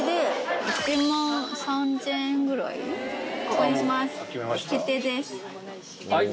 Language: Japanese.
ここにします！